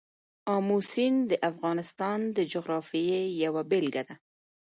آمو سیند د افغانستان د جغرافیې یوه بېلګه ده.